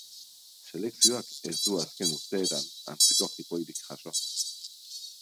Selekzioak ez du azken urteetan antzeko jiporik jaso.